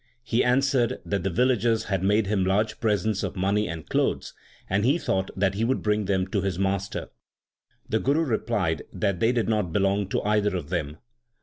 He answered that the vil lagers had made him large presents of money and clothes, and he thought that he would bring them to his master. The Guru replied that they did not belong to either of them.